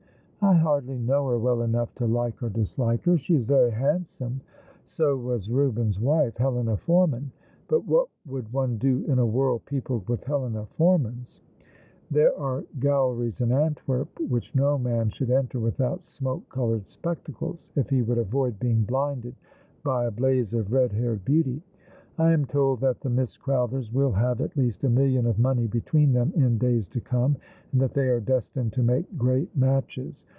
" "I hardly know her well enough to like or dislike her. She is very handsome." " So was Eubens' wife, Helena Forman ; but what would one do in a world peopled with Helena Formans ? There are galleries in Antwerp which no man should enter without smoke coloured spectacles, if he would avoid being blinded ^' Oh Moment One and Infinite !''' 49 by a blaze of red haired beauty. I am told that the Miss Growth ers will have, at least, a million of money between them in days to come, and that they are destined to make great matches.